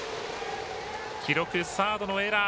記録、サードのエラー。